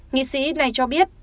nghị sĩ này cho biết